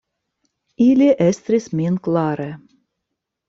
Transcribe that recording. Ili estris min klare.